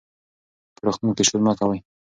په روغتون کې شور مه کوئ.